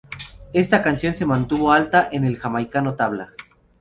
Esta canción se mantuvo alta en el jamaicano tabla.